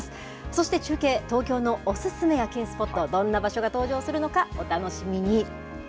そして中継、東京のお勧め夜景スポット、どんな場所が登場するのか、お楽しみに。